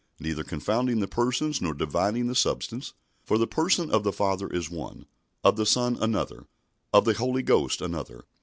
Neither confounding the Persons nor dividing the Substance. For the Person of the Father is one, of the Son another, of the Holy Ghost another.